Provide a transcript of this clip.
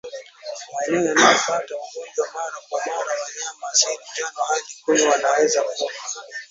Maeneo yanayopata ugonjwa mara kwa mara wanyama asili tano hadi kumi wanaweza kufa